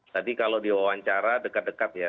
tadi kalau di wawancara dekat dekat ya